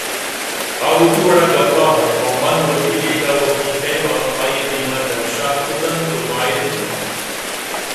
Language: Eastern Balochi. آوتی وڑا گپ ءَ اَت ءُمن وتی لیکہ وتی پیم ءَ آئی ءِ دیمءَ درشان کُت اَنتءُباید اِنت